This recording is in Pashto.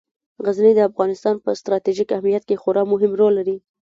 غزني د افغانستان په ستراتیژیک اهمیت کې خورا مهم رول لري.